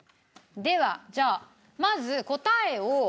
ではじゃあまず答えを。